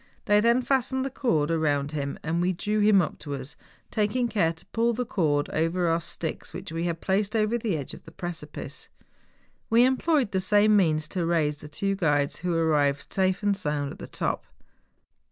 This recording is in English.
They then fastened the cord round him, and we drew him up to us, taking care to pull the cord over our sticks which we had placed over the edge of the precipice. We emj loyed the same means to raise the two guides, who arrived safe and sound at the top.